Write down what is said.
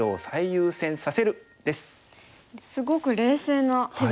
すごく冷静な手ですね。